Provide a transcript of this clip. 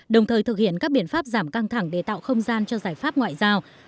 đồng thời thực hiện các biện pháp giảm căng thẳng để tạo không gian cho giải pháp ngoại giao